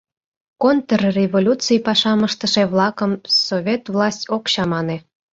Контрреволюций пашам ыштыше-влакым совет власть ок чамане.